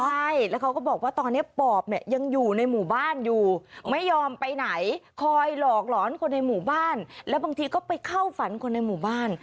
ใช่แล้วเขาก็บอกว่าตอนนี้ปอบเนี่ยยังอยู่ในหมู่บ้านอยู่ไม่ยอมไปไหนคอยหลอกหลอนคนในหมู่บ้านและบางทีก็ไปเข้าฝันคนในหมู่บ้าน